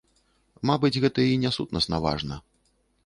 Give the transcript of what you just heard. Мабыць, гэта і не сутнасна важна.